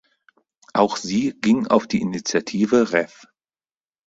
Auch sie ging auf die Initiative Rev.